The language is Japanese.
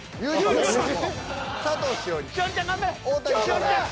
栞里ちゃん